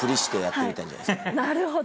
なるほど！